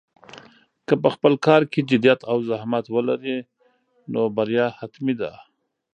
که په خپل کار کې جدیت او زحمت ولرې، نو بریا حتمي ده.